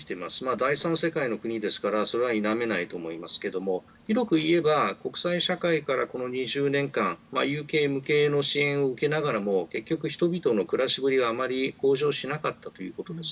第３世界の国ですからそれは否めないと思いますけど広く言えば国際社会からこの２０年間有形無形の支援を受けながらも結局、人々の暮らしぶりがあまり向上しなかったということです。